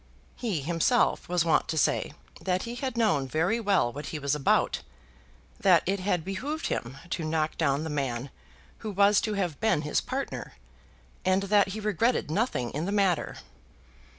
He himself was wont to say that he had known very well what he was about, that it had behoved him to knock down the man who was to have been his partner, and that he regretted nothing in the matter.